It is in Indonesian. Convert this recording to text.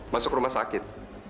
masuk rumah sakit